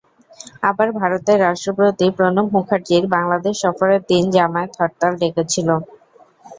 আবার ভারতের রাষ্ট্রপতি প্রণব মুখার্জির বাংলাদেশ সফরের দিন জামায়াত হরতাল ডেকেছিল।